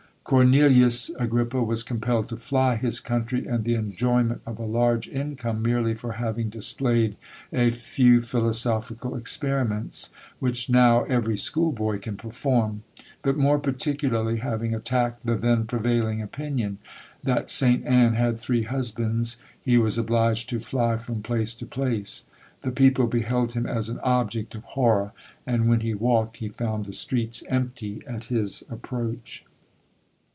Cornelius Agrippa was compelled to fly his country, and the enjoyment of a large income, merely for having displayed a few philosophical experiments, which now every school boy can perform; but more particularly having attacked the then prevailing opinion, that St. Anne had three husbands, he was obliged to fly from place to place. The people beheld him as an object of horror; and when he walked, he found the streets empty at his approach.